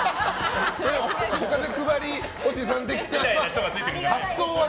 お金配りおじさん的な。